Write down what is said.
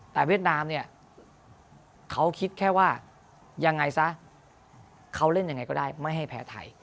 แต่เวียดนามเนี่ยเขาคิดแค่ว่ายังไงซะเขาเล่นยังไงก็ได้ไม่ให้แพ้ไทย